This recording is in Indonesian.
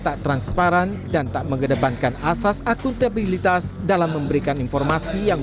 tak transparan dan tak mengedepankan asas akuntabilitas dalam memberikan informasi yang